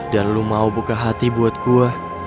dan lu mau buka hati buat gua